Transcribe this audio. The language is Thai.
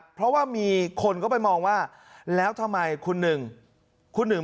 เพราะว่ามีคนก็ไปมองว่าแล้วทำไมคุณหนึ่ง